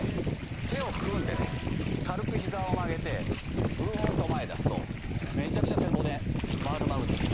手を組んでね軽く膝を曲げてぐーんと前出すとめちゃくちゃ背骨丸まるんです。